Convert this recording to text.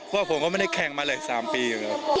เพราะผมก็ไม่ได้แข่งมาเลย๓ปี